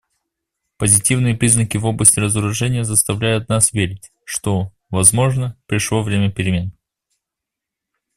Позитивные признаки в области разоружения заставляют нас верить, что, возможно, пришло время перемен.